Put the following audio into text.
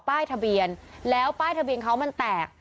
ป้ายทะเบียนแล้วป้ายทะเบียนเขามันแตก